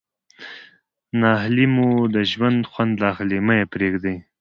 ناهلي مو د ژوند خوند اخلي مه ئې پرېږدئ.